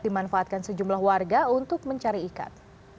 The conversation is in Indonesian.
dimanfaatkan sejumlah warga untuk mencari ikan